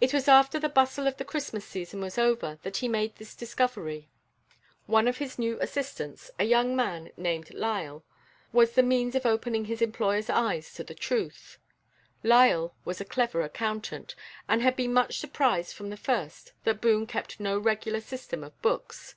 It was after the bustle of the Christmas season was over that he made this discovery. One of his new assistants, a young man named Lyall, was the means of opening his employer's eyes to the truth. Lyall was a clever accountant, and had been much surprised from the first that Boone kept no regular system of books.